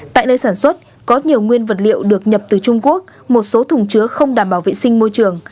tại nơi sản xuất có nhiều nguyên vật liệu được nhập từ trung quốc một số thùng chứa không đảm bảo vệ sinh môi trường